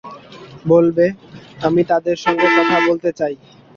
বলবে, আমি তাদের সঙ্গে কথা বলতে চাই।